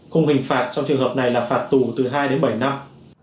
khung hình phạt trong trường hợp này là phạt tù từ hai đến bảy năm